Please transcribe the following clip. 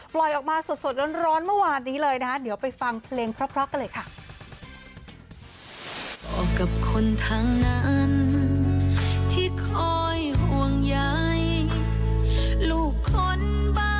ปล่อยออกมาสดร้อนเมื่อวานนี้เลยนะเดี๋ยวไปฟังเพลงเพราะกันเลยค่ะ